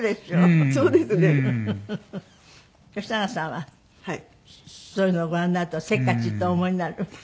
吉永さんはそういうのをご覧になるとせっかちってお思いになる？